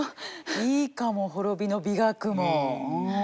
いいかも滅びの美学も。